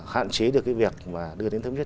hạn chế được cái việc mà đưa đến thống nhất